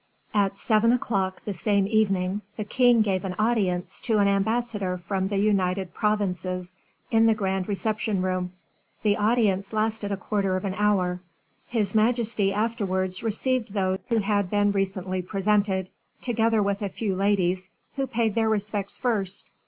At seven o'clock the same evening, the king gave an audience to an ambassador from the United Provinces, in the grand reception room. The audience lasted a quarter of an hour. His majesty afterwards received those who had been recently presented, together with a few ladies, who paid their respects first.